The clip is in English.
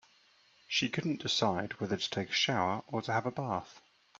She couldn't decide whether to take a shower or to have a bath.